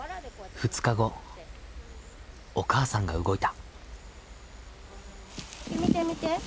２日後お母さんが動いた。